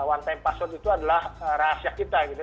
one time password itu adalah rahasia kita gitu